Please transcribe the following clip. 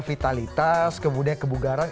vitalitas kemudian kebugaran